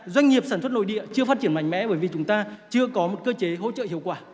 doanh nghiệp sản xuất nội địa chưa phát triển mạnh mẽ bởi vì chúng ta chưa có một cơ chế hỗ trợ hiệu quả